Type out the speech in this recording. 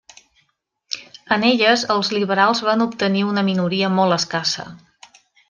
En elles, els liberals van obtenir una minoria molt escassa.